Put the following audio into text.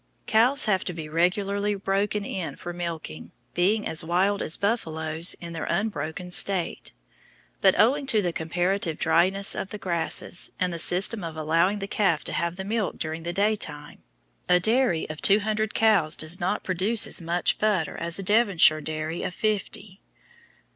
Cows have to be regularly broken in for milking, being as wild as buffaloes in their unbroken state; but, owing to the comparative dryness of the grasses, and the system of allowing the calf to have the milk during the daytime, a dairy of 200 cows does not produce as much butter as a Devonshire dairy of fifty.